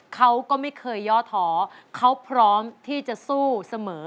เขาก็ไม่เคยย่อท้อเขาพร้อมที่จะสู้เสมอ